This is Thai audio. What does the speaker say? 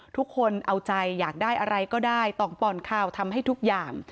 ทุกคนเอาใจอยากได้อะไรก็ได้ต้องป่อนข้าวทำให้ทุกอย่าง